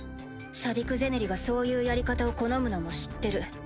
シャディク・ゼネリがそういうやり方を好むのも知ってる。